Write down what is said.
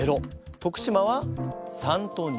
徳島は３と２。